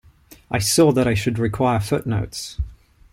I saw that I should require footnotes.